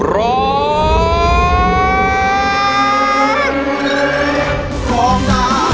ร้อง